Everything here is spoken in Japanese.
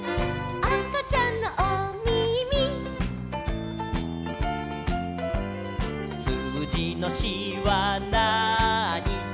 「あかちゃんのおみみ」「すうじの４はなーに」